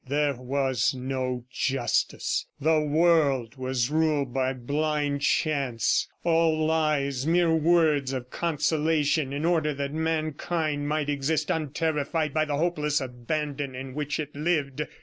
... There was no justice; the world was ruled by blind chance; all lies, mere words of consolation in order that mankind might exist unterrified by the hopeless abandon in which it lived!